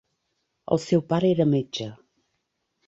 El seu pare era metge.